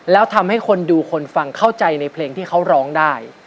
แล้วทำให้คนดูคนฟังเข้าใจในเพลงที่เขาร้องได้